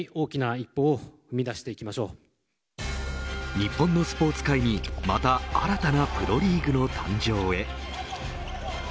日本のスポーツ界にまた新たなプロリーグの誕生へ。